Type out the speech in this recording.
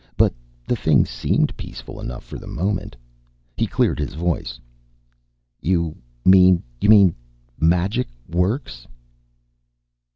But the thing seemed peaceful enough for the moment. He cleared his voice. "You mean you mean magic works?"